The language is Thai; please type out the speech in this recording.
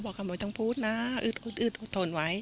ก็บอกเขาไม่ต้องพูดนะอึดอดทนไว้